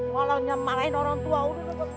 walau nyembalain orang tua lu